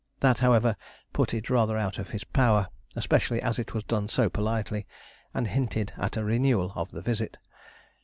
That, however, put it rather out of his power, especially as it was done so politely, and hinted at a renewal of the visit.